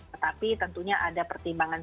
tetapi tentunya ada pertimbangan